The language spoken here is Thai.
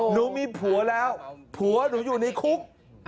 หนูมีผัวแล้วผัวหนูอยู่ในคุก